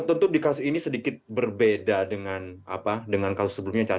tentu di kasus ini sedikit berbeda dengan kasus sebelumnya